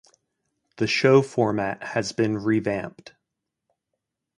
The show format has been revamped.